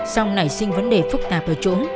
xong nảy sinh vấn đề phức tạp ở chỗ